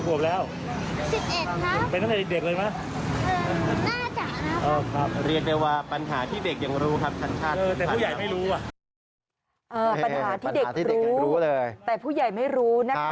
ปัญหาที่เด็กรู้รู้เลยแต่ผู้ใหญ่ไม่รู้นะคะ